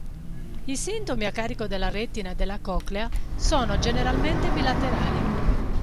I sintomi a carico della retina e della coclea sono generalmente bilaterali.